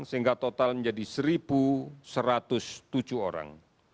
sehingga total menjadi satu satu ratus tujuh orang